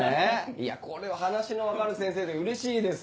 いやこれは話の分かる先生でうれしいです。